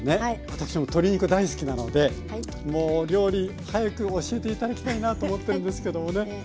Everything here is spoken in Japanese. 私も鶏肉大好きなのでもう料理早く教えて頂きたいなと思ってるんですけどもね。